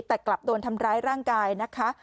แต่กลับโดนทำร้ายร่างกายนะคะ